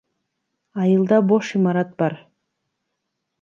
Айылда бош имарат бар.